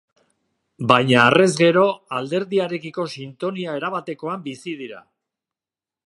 Baina harrez gero, alderdiarekiko sintonia erabatekoan bizi dira.